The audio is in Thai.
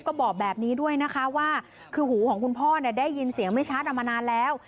ก็บอกแบบนี้ด้วยนะคะว่าคือหูของคุณพ่อเนี่ยได้ยินเสียงไม่ชัดเอามานานแล้ว